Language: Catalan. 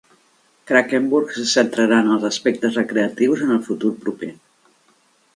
Kraggenburg se centrarà en els aspectes recreatius en el futur proper.